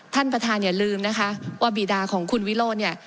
ท่านประธานอย่าลืมนะคะว่าบีดาของคุณวิโรธเนี่ย